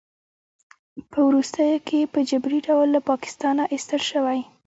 په وروستیو کې په جبري ډول له پاکستانه ایستل شوی